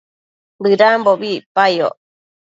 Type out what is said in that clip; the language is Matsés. bëdambobi icpayoc